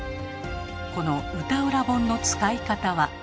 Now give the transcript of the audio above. この歌占本の使い方は。